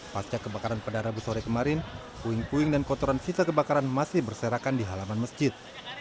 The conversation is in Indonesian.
pasca kebakaran pada rabu sore kemarin puing puing dan kotoran sisa kebakaran masih berserakan di halaman masjid